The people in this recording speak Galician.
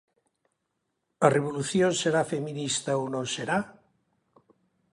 A revolución será feminista ou non será?